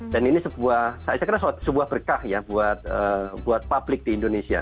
dan ini sebuah saya kira sebuah berkah ya buat publik di indonesia